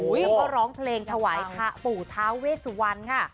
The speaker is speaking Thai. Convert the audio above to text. แล้วก็ร้องเพลงถวายปู่ท้าเวสวรรณค่ะ